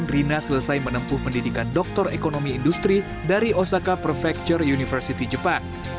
rina selesai menempuh pendidikan doktor ekonomi industri dari osaka prefecture university jepang